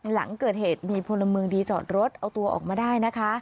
หลังเกิดเหตุมีพลเมืองดีจอดรถเอาตัวออกมาได้นะคะ